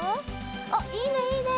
あっいいねいいね！